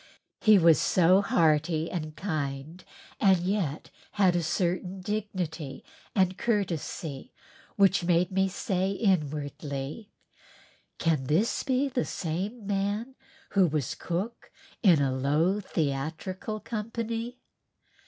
He was so hearty and kind and yet had a certain dignity and courtesy which made me say inwardly, "Can this be the same man who was cook in a low theatrical company?"